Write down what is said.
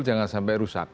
jangan sampai rusak